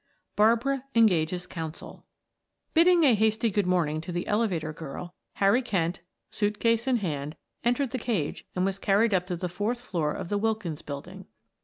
BARBARA ENGAGES COUNSEL Bidding a hasty good morning to the elevator girl, Harry Kent, suit case in hand, entered the cage and was carried up to the fourth floor of the Wilkins Building.